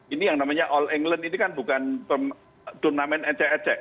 ini yang namanya all england ini kan bukan turnamen ecek ecek